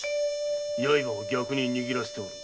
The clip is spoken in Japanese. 刃を逆に握らせておる。